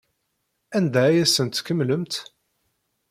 Anda ay asent-tkemmlemt?